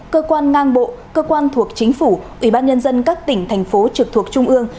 cơ quan ngang bộ cơ quan thuộc chính phủ ủy ban nhân dân các tỉnh thành phố trực thuộc trung ương